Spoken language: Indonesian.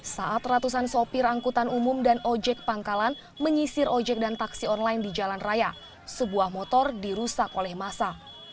saat ratusan sopir angkutan umum dan ojek pangkalan menyisir ojek dan taksi online di jalan raya sebuah motor dirusak oleh masa